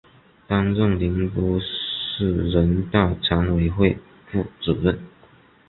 担任宁波市人大常委会副主任。